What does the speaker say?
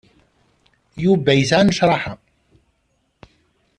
Yuba isɛa nnecṛaḥa.